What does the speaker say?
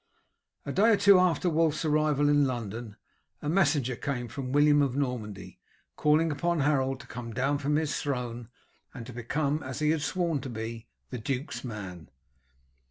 A day or two after Wulf's arrival in London a messenger came from William of Normandy calling upon Harold to come down from his throne, and to become, as he had sworn to be, the duke's man.